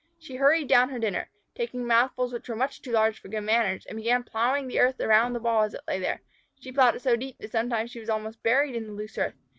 She hurried down her dinner, taking mouthfuls which were much too large for good manners, and began plowing the earth around the ball as it lay there. She plowed so deep that sometimes she was almost buried in the loose earth.